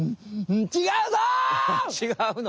ちがうの？